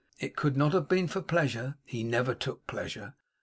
It could not have been for pleasure; he never took pleasure.